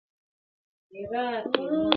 دا دی د مرګ، و دایمي محبس ته ودرېدم .